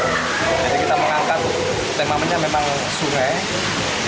jadi kita mengangkat yang namanya memang sungai